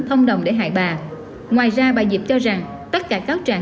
thông đồng để hại bà ngoài ra bà dịp cho rằng tất cả cáo tràng